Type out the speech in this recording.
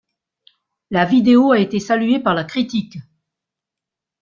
La vidéo a été saluée par la critique.